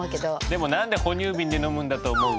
でも何で哺乳瓶で飲むんだと思う？